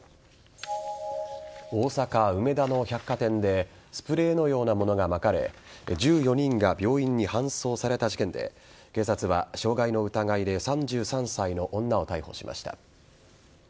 大阪・梅田の百貨店でスプレーのようなものがまかれ１４人が病院に搬送された事件で警察は、傷害の疑いで３３歳の女を逮捕しました。